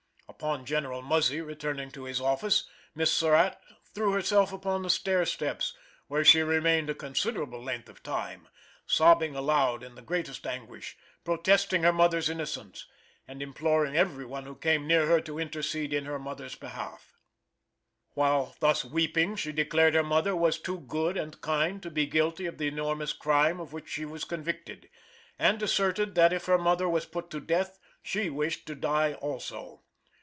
Upon General Muzzy returning to his office, Miss Surratt threw herself upon the stair steps, where she remained a considerable length of time, sobbing aloud in the greatest anguish, protesting her mother's innocence, and imploring every one who came near her to intercede in her mother's behalf. While thus weeping she declared her mother was too good and kind to be guilty of the enormous crime of which she was convicted, and asserted that if her mother was put to death she wished to die also.